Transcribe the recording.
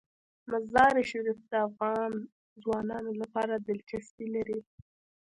مزارشریف د افغان ځوانانو لپاره دلچسپي لري.